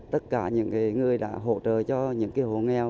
tất cả những người đã hỗ trợ cho những hộ nghèo